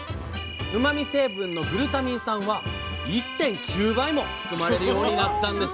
うまみ成分のグルタミン酸は１．９倍も含まれるようになったんです